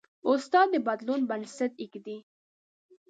استاد د بدلون بنسټ ایږدي.